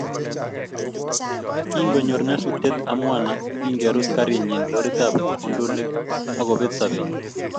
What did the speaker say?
Kingonyor nyasutiet Amwana yekingerus garinyi loritab kundulik akobet sobenyi